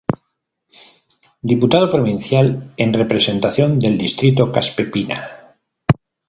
Diputado Provincial en representación del distrito Caspe-Pina.